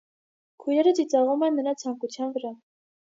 Քույրերը ծիծաղում են նրա ցանկության վրա։